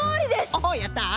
おおやった。